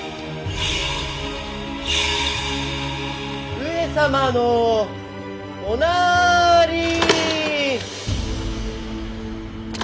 上様のおなーりー！